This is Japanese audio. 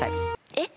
えっ？